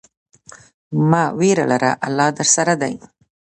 مه ویره لره، الله درسره دی.